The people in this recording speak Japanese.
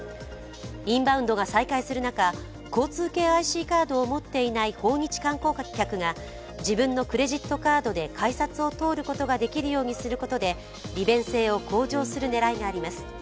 インバウンドが再開する中、交通系ＩＣを持っていない訪日観光客が自分のクレジットカードで改札を通ることができるようにすることで、利便性を向上する狙いがあります。